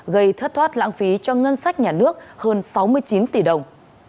gây thất thoát lãng phí cho ngân sách nhà nước hơn sáu mươi chín tỷ đồng